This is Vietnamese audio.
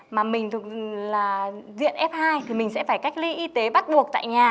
mà mình thuộc là diện f hai thì mình sẽ phải cách ly y tế bắt buộc tại nhà